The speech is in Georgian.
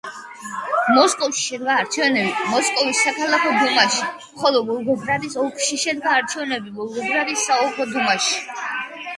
მოსკოვში შედგა არჩევნები მოსკოვის საქალაქო დუმაში, ხოლო ვოლგოგრადის ოლქში შედგა არჩევნები ვოლგოგრადის საოლქო დუმაში.